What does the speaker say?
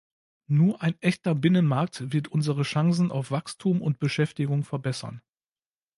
Nur ein echter Binnenmarkt wird unsere Chancen auf Wachstum und Beschäftigung verbessern.